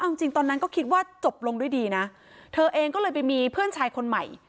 เอาจริงตอนนั้นก็คิดว่าจบลงด้วยดีนะเธอเองก็เลยไปมีเพื่อนชายคนใหม่